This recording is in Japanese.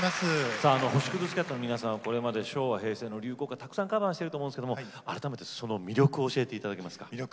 さあ星屑スキャットの皆さんはこれまで昭和平成の流行歌たくさんカバーしてると思うんですけども改めてその魅力を教えていただけますか。